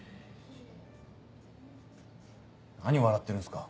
何笑ってるんすか。